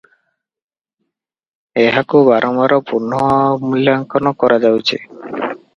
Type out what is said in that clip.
ଏହାକୁ ବାରମ୍ବାର ପୁନଃ ମୂଲ୍ୟାଙ୍କନ କରାଯାଉଛି ।